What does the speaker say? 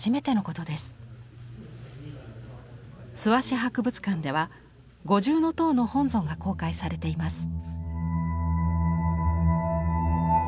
諏訪市博物館では五重塔の本尊が公開されています。